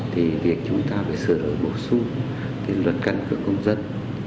thì việc chúng ta phải sửa đổi bổ sung cái luật căn cước công dân